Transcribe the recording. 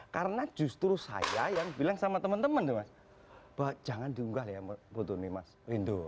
karena justru saya yang bilang sama temen temen tuh mas jangan diunggah ya foto ini mas wendo